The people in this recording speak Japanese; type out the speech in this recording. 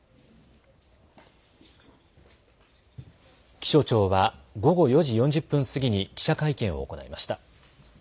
気象庁は午後４時４０分過ぎに記者会見を行いました。